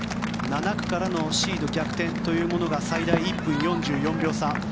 ７区からのシード逆転というものが最大１分４４秒差。